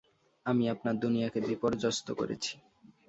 আমি আপনার দুনিয়াকে বিপর্যস্ত করেছি।